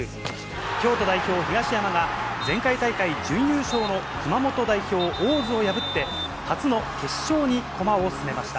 京都代表、東山が、前回大会準優勝の熊本代表、大津を破って初の決勝に駒を進めました。